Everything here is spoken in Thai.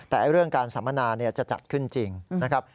แต่เรื่องการสัมมนาจะจัดขึ้นจริงนะครับ